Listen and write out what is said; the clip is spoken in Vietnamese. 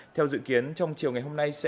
theo dự kiến trong chiều ngày hôm nay